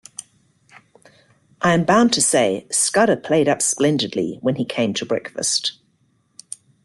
I am bound to say Scudder played up splendidly when he came to breakfast.